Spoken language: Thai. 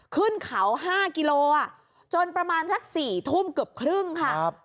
ขึ้นเขา๕กิโลจนประมาณสัก๔ทุ่มเกือบครึ่งค่ะ